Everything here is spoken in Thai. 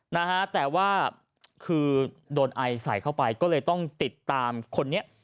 นะฮะแต่ว่าคือโดนไอใส่เข้าไปก็เลยต้องติดตามคนนี้